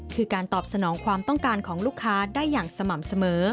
คือการตอบสนองความต้องการของลูกค้าได้อย่างสม่ำเสมอ